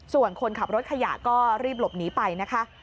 ส่วนคนขับรถขยะก็รีบหลบหนีไปนะคะ